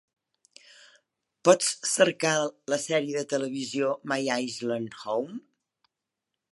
Pots cercar la sèrie de televisió My Island Home?